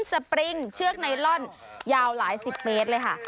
สปริงเชือกไนลอนยาวหลายสิบเมตรเลยค่ะ